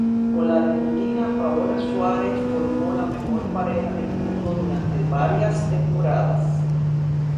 Con la argentina Paola Suárez formó la mejor pareja del mundo durante varias temporadas.